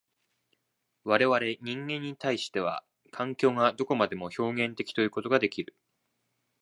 我々人間に対しては、環境がどこまでも表現的ということができる。